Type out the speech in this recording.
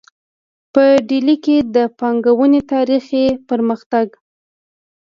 په ډیلي کې د پانګونې تاریخي پرمختګ